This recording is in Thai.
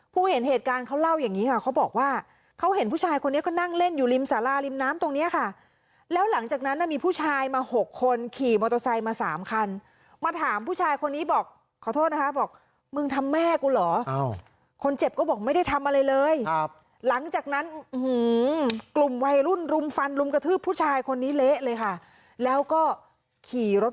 เห็นเหตุการณ์เขาเล่าอย่างนี้ค่ะเขาบอกว่าเขาเห็นผู้ชายคนนี้ก็นั่งเล่นอยู่ริมสาราริมน้ำตรงเนี้ยค่ะแล้วหลังจากนั้นมีผู้ชายมาหกคนขี่มอเตอร์ไซค์มาสามคันมาถามผู้ชายคนนี้บอกขอโทษนะคะบอกมึงทำแม่กูเหรอคนเจ็บก็บอกไม่ได้ทำอะไรเลยครับหลังจากนั้นกลุ่มวัยรุ่นรุมฟันรุมกระทืบผู้ชายคนนี้เละเลยค่ะแล้วก็ขี่รถ